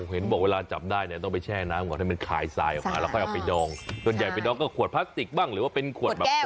เห็นบอกเวลาจับได้เนี่ยต้องไปแช่น้ำก่อนให้มันขายทรายออกมาแล้วค่อยเอาไปดองส่วนใหญ่ไปดองก็ขวดพลาสติกบ้างหรือว่าเป็นขวดแบบ